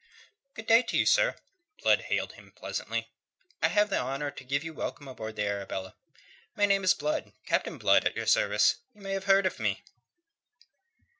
"Good day to you, sir," Blood hailed him pleasantly. "I have the honour to give you welcome aboard the Arabella. My name is Blood Captain Blood, at your service. You may have heard of me."